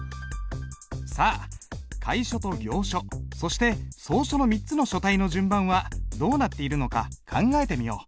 さあ楷書と行書そして草書の３つの書体の順番はどうなっているのか考えてみよう。